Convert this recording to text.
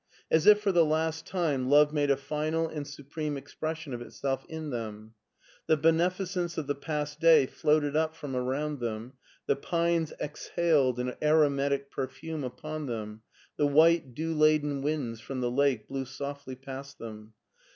As if for the last time love made a final and supreme expression of itself in them. The bene ficence of the past day floated up from around them, the pines exhaled an aromatic perfume upon them, the white, dew laden winds from the lake blew softly past them.